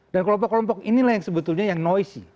dan kelompok kelompok inilah yang sebetulnya yang noisy